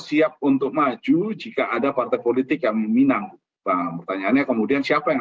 siap untuk maju jika ada partai politik yang meminang pertanyaannya kemudian siapa yang